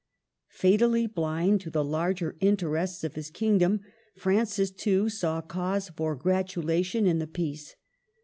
Fatally blind to the larger interests of his king dom, Francis, too, saw cause for gratulation in the peace.